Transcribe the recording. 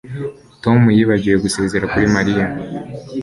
Tom yibagiwe gusezera kuri Mariya